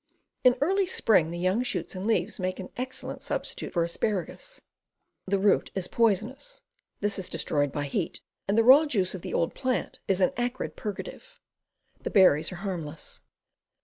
In early spring the young shoots and leaves make an ex cellent substitute for asparagus. The root is poisonous (this is destroyed by heat), and the raw juice of the old plant is an acrid purgative. The berries are harmless.